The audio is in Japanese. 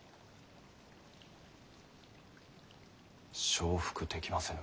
承服できませぬ。